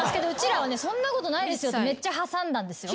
らは「そんなことないですよ」ってめっちゃ挟んだんですよ。